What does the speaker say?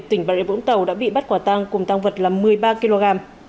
tỉnh bà rịa vũng tàu đã bị bắt quả tăng cùng tăng vật là một mươi ba kg